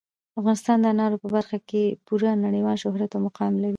افغانستان د انارو په برخه کې پوره نړیوال شهرت او مقام لري.